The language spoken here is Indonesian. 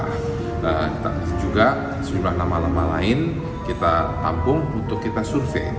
nah juga sejumlah nama nama lain kita tampung untuk kita survei